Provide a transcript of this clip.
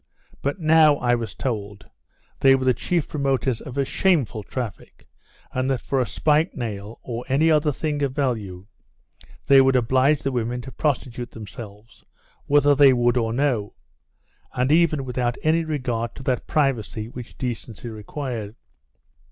But now, I was told, they were the chief promoters of a shameful traffic, and that for a spike nail, or any other thing they value, they would oblige the women to prostitute themselves, whether they would or no; and even without any regard to that privacy which decency required.